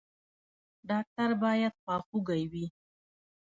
ډاکټر باید خواخوږی وي